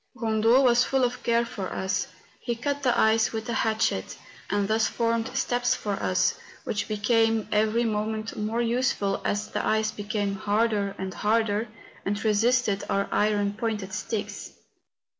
Kondo was full of care for us. •He cut the ice with a hatchet, and thus formed steps for us, which became every moment more use¬ ful as the ice became harder and harder and resisted our iron pointed sticks.